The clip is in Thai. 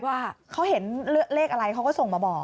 ว่าเขาเห็นเลขอะไรเขาก็ส่งมาบอก